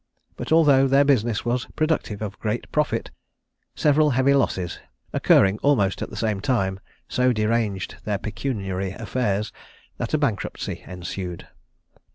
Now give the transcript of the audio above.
But although their business was productive of great profit, several heavy losses, occurring almost at the same time, so deranged their pecuniary affairs, that a bankruptcy ensued.